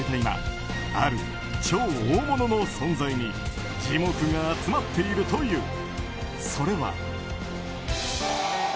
今ある超大物の存在に注目が集まっているという。